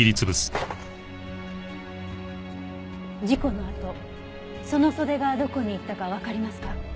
事故のあとその袖がどこにいったかわかりますか？